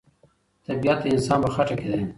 طبیعت د انسان په خټه کې دی.